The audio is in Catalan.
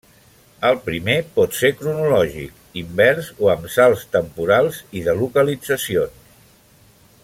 El primer pot ser cronològic, invers o amb salts temporals i de localitzacions.